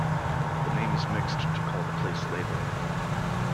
The names mixed to call the place Leybourne.